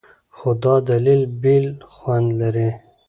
خو دا لیدل بېل خوند لري.